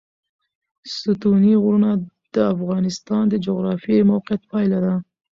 ستوني غرونه د افغانستان د جغرافیایي موقیعت پایله ده.